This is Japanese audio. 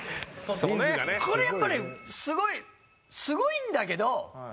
これやっぱりすごいすごいんだけど。